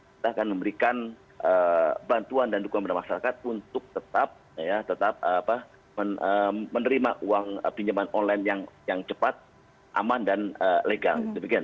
kita akan memberikan bantuan dan dukungan kepada masyarakat untuk tetap menerima uang pinjaman online yang cepat aman dan legal